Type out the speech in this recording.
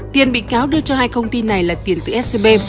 tiền bị cáo đưa cho hai công ty này là tiền từ scb